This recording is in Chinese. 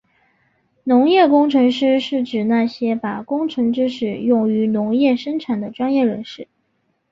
农业工程师是指那些把工程知识用于农业生产的专业人士。